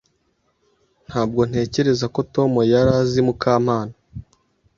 Ntabwo ntekereza ko Tom yari azi Mukamana.